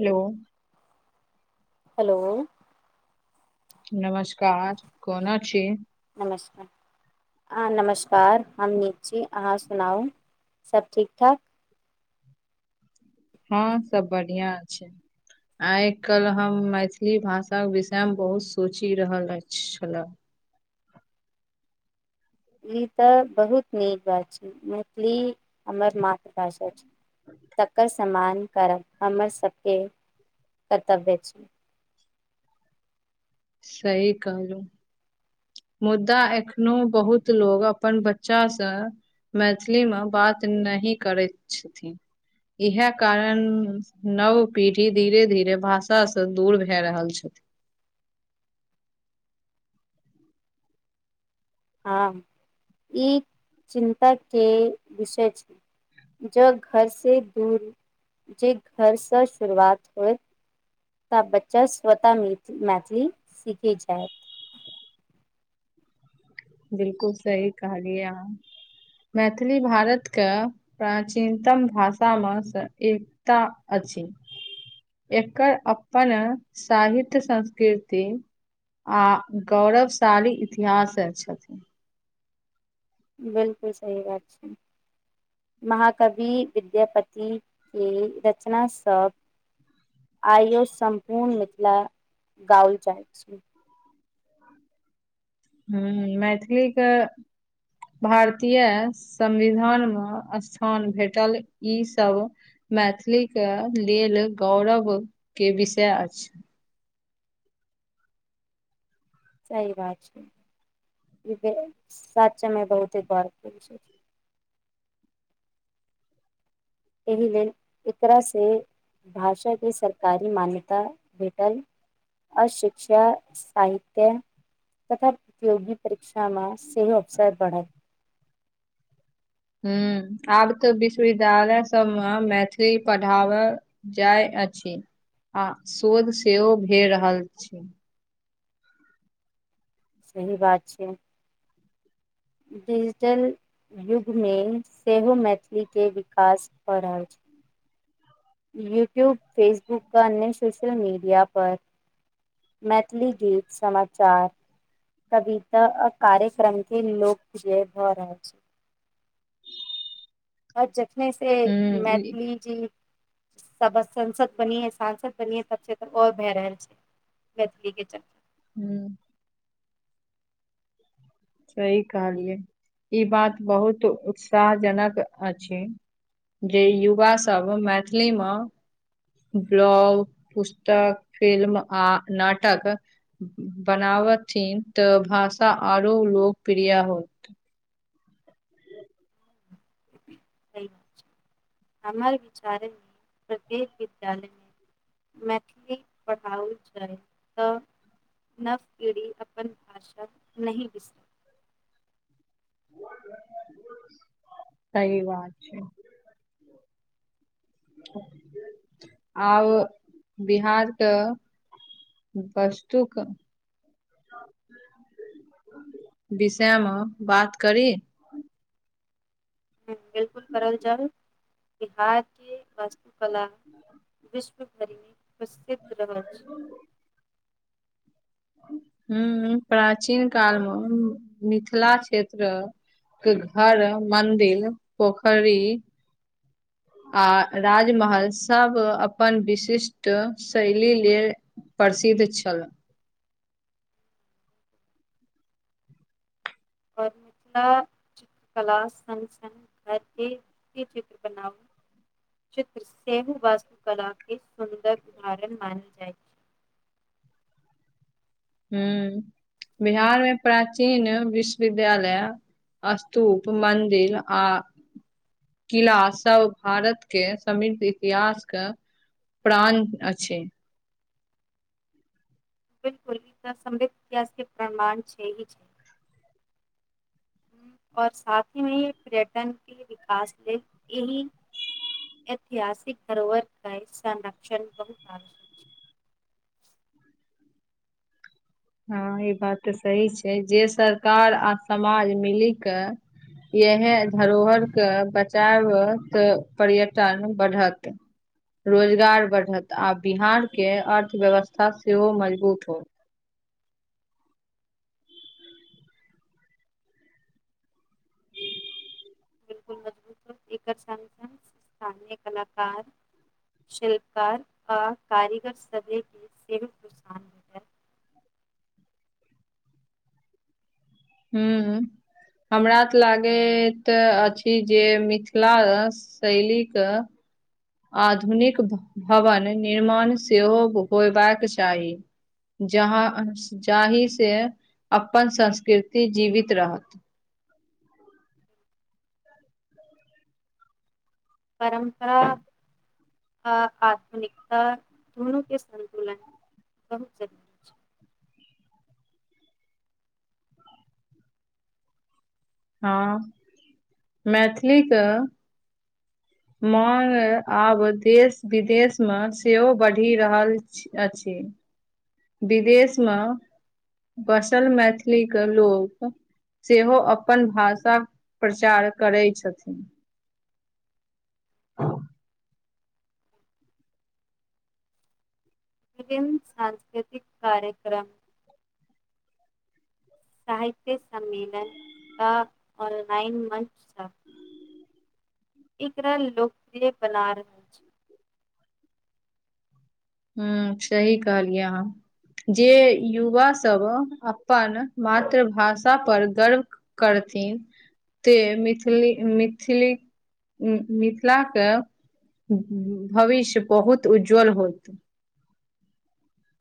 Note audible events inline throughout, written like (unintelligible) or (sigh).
Hello hello नमस्कार कोना छी नमस्कार आं नमस्कार हम नीक छी अहाँ सुनाउ सब ठीक ठाक हँ सब बढ़िंया छै आइ कल् हम मैथिली भाषा विषय मे बहुत सोचि रहल एत छले ई तऽ बहुत नीक बात छै मैथिली हमर मातृभाषा छै तकर समान करब हमर सब के कर्तव्य छी सही कहलौं मुद्दा एखनो बहुत लोग अपन बच्चा सँ मैथिली में बात नही करैत छथिन इएह कारण नव पीढ़ी धीरे धीरे भाषा स दूर भए रहल छथिन हँ ई चिन्ता के विषय छै ज घरसे दूर जे घरस शुरुआत होइ तऽ बच्चा स्वतः मैथिली सीखै छैथ बिलकुल सही कहलियै अहाँ मैथिली भारत क प्राचीनतम भाषा में स एकता अछी एकर अपन साहित्य संस्कीर्ति आ गौरवशाली इतिहास छथिन बिलकुल सही बात छै महाकवि विद्यापति के रचना सब (inaudible) आइयो सम्पूर्ण मिथिला गाओल जाइत छै हू मैथिली के भारतीय संविधान मे स्थान भेटल ईसभ मैथिली के लिय लेल गौरवके विषय अछ सही बात छै (unintelligible) सचमय बहुते (unintelligible) छै एहि लेल एकरासे भाषाके सरकारी मान्यता भेटल अऽ शिक्षा साहित्य तथा प्रतियोगी परीक्षा में से हो अवसर बढ़त ह आब तऽ विश्वविद्यालय सबमे मैथिली पढ़ाब जाय अछि आ शोध सेहो भे रहल छै सही बात छै डिजिटल युग में से हो मैथिली के विकास भऽ रहल छै यूट्यूब फेसबुक अन् (unintelligible) य सोशल मीडिया पर मैथिली गीत समाचार कविता आ कार्यक्रम के लोकप्रिय भऽ रहल छै (unintelligible) और जखने से हूं मैथली जी सब संस (unintelligible) द बने सांसद बने सबेन ओर भए रहल छै मैथली के चर्चा हू सही कहलियै ई बात बहुत उत्साह जनक अछि जे युवा सब मैथिली मे ब्लग पुस्तक फिल्म आ नाटक बना बथिन त भाषा आरो लोकप्रिय होत हमर विचार मे प्रत्येक विद्यालय मे मैथिली पढ़ाबल छै त नव पीढ़ी अपन भाषा नही बिसर सह बात छै आब बिहार त वस्तु क विषयमे बात करी बिल्कुल करल जाऊ बिहार के वास्तु कला विश्व भरि में प्रसिद्ध रहल छै हाँ प्राचीन काल में मिथिला क्षेत्र घर मन्दिर पोखड़ी आ राजमहलसभ अपन विशिष्ट शैली लेल परसिद्ध छल आओर मिथिला (unintelligible) कला सग सग घरके चित्र बनाउ (unintelligible) चित्र सेहो वास्तुकलाके सुन्दर उदाहरण मानल जाइत छै ह बिहारमे प्राचीन विश्वविद्यालय स्तूप मन्दिर आ किला सब भारत के समृद्ध इतिहासके प्राण अछि बिल्कुल ई त समृद्ध इतिहास के प्रमाण छै ही छै (inaudible) हम्म, और साथ हीमे पर्यटन के विकास लेल यह ऐतिहासिक धरोहरके संरक्षण बहुत आवश्यक हँ ई बात त सही छै जे सरकार आ समाज मिली क इहे धरोहर के बचाव त पर्यटन बढ़त रोजगार बढ़त आ बिहार के अर्थव्यव्स्था से हो मजबूत होतऽ बिलकुल मजबूत हो एकर संग संग स्थानीय कलाकार शिल्पल आ कारीगर सबके सेहो प्रोत्साहन भेटत हू हमरा तऽ लागैत अछि जे मिथिला शैलीके आधुनिक भवन निर्माण से हो होयबाक चाही जहाँ जाहि से अपन संस्कृति जीवित रहत परम्परा आ आधुनिकता दुनूके संन्तुलन बहुत जरूरी छै हँ मैथिलीके मांग आब देश विदेश मे सेहो बढ़ि रहल अछि विदेशमे बसल मैथिल लोक। से हो अपन भाषा प्रचार करै छथिन विभिन्न सांस्कृतिक कार्य क्रम साहित्य सम्मेलन क ऑनलाइन मंच सब एकरा लोकप्रिय बना रह हम्म सही कहलिये अहाँ जे युवा सब अपन मातृ भाषा पर गर्व करथि त मिथिल-मिथिली। त मिथिला के भविष्य बहुत उज्ज्वल होत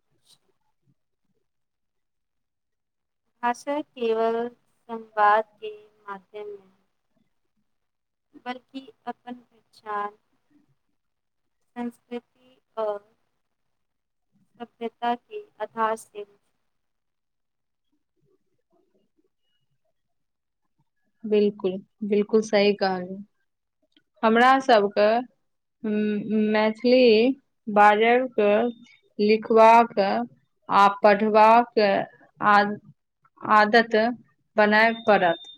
(inaudible) भाषा केवल संवादके माध्यममे बल्कि अपन पचान संस्कृति आओर सभ्यताे आधार से (inaudible) (inaudible) बिलकुल, बिलकुल सही कहलहुँ। हमरा सभके। मैथिली बाजैके लिखबाक आ पढ़बाक आ। आदत बनाए पड़त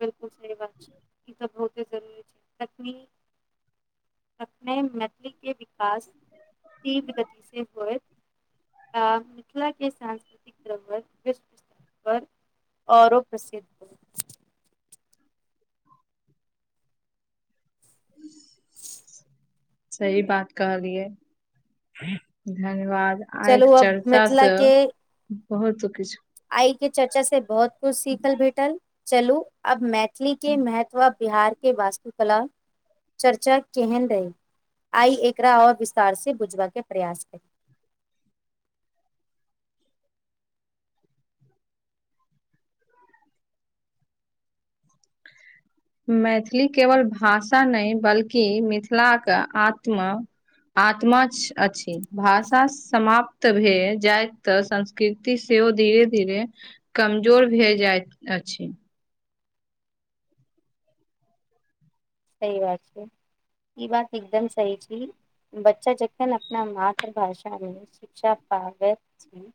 बिलकुल सही बात छै ई त बहुते जरूरी छै तकन अपने मैथिली के विकास तीव्र गतिसँ होइत मिथिला के सांस्कृतिक पर औरो प्रसिद्ध ह सही बात कहलियै धन्यवाद आइ चलू अब चर्चा मिथिला से के बहुत किछु आइ के चर्चा से बहुत कुछ सीखल भेटल चलू आब मैथिली के मेहत्व बिहारके वास्तुकला चर्चा केहन रहै आइ एकरा आओर विस्तार से बुझबा के प्रयास करी (inaudible) मैथिली केवल भाषा नहि बल्कि मिथिलाके आत्म आत्म अछि भाषा समाप्त (unintelligible) जाय तऽ संस्कृति सेहो धीरे-धीरे कमजोर भय जाइत अछि सही बात छै ई बात एकदम सही छी बच्चा जखन अपना मातृभाषा मे शिक्षा पाबैत छी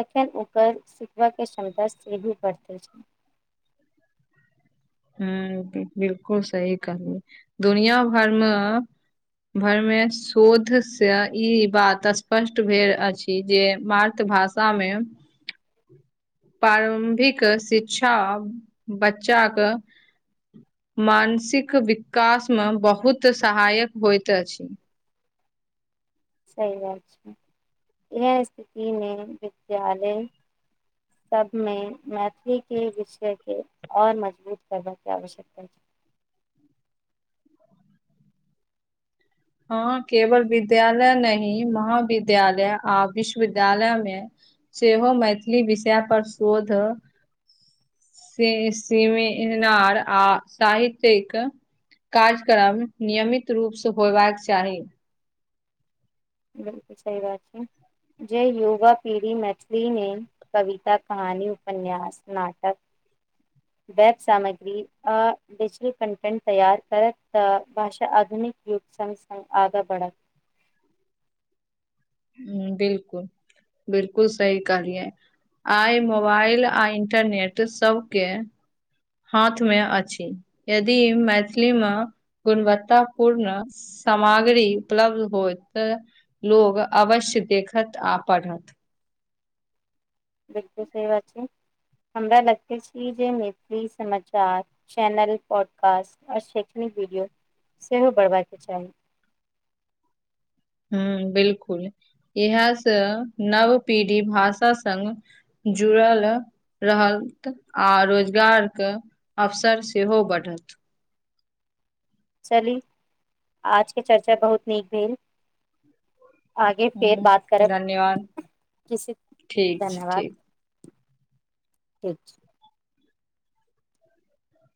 तखन ओकर सिखबाक क्षमता सेहो बढ़तै। हं बिलकुल सही कहलू दुनिया भरमे भरमे शोधसँ ई बात स्पष्ट भेल अछि जे मातृभाषा शामे प्रारम्भिक शिक्षा बच्चाके मानसिक विकास मे बहुत सहायक होइत अछि सही बात छै इ स्थितिमे विद्यालय सबमे मैथिली के विषय के र मजबूत कर के आवश्यकता अछि हँ केवल विद्यालय नहीं महाविद्यालय आ विश्वविद्यालय मे सेहो मैथिली विषय पर शोध सिमिनार आ साहितिक कार्यक्रम नियमित रूपसँ होयबाक चाही बिलकुल सही बात छै जे युवा पीढ़ी मैथिलीमे कविता, कहानी उपन्यास आ नाटक। (inaudible) वेब सामग्री आ डिजिटल कन्टेन्ट तैयार करत त भाषा आधुनिक युग संस्थ आगा बढ़त ह बिलकुल बिलकुल सही कहलिये आइ मोबाइल आ इंटरनेट सबके हाथ मे अछि यदि मैथिली मे गुणवत्ता पूर्ण। सामग्री उपलब्ध होय त लोग अवश्य देखत आ पढ़त बऽ, हमरा लगते छी जे मैथिली समाचार। चैनल, पॉडकास्ट आ शैक्षणिक वीडियो सेहो बढ़बाक चाही। हू, बिल्कूल इएह से नव पीढ़ी भाषा सग जुड़ाल। रहत आ रोजगारकऽ अवसर सेहो बढ़त। चली आजके चर्चा बहुत नीक भेल। आगे फेर ह बात करब। धन्यवाद ठीक छै धन्यवाद। ठीक ठीक छै।